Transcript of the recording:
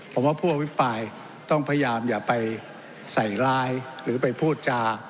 ผมว่าผู้อภิปรายต้องพยายามอย่าไปใส่ไลน์หรือไปพูดจา